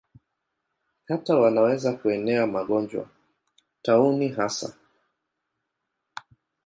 Hata wanaweza kuenea magonjwa, tauni hasa.